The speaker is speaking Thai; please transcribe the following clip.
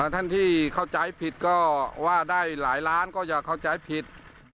ท่านที่เข้าใจผิดก็ว่าได้หลายล้านก็อย่าเข้าใจผิด